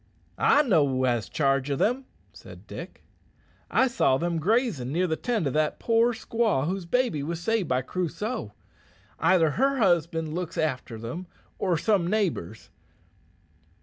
"I know who has charge o' them," said Dick. "I saw them grazing near the tent o' that poor squaw whose baby was saved by Crusoe. Either her husband looks after them or some neighbours."